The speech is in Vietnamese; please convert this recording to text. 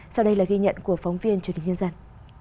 sau đây là ghi nhận của phóng viên truyền hình nhân dân